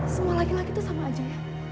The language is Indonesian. semua laki laki itu sama aja ya